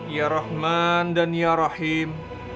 ya rahman dan ya rahim